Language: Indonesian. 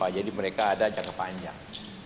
jadi mereka ada jangka panjang